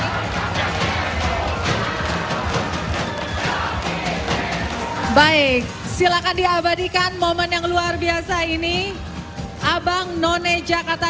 hai baik silakan diabadikan momen yang luar biasa ini abang noni jakarta dua ribu dua puluh dua